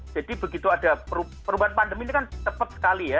jadi begitu ada perubahan pandemi ini kan tepat sekali ya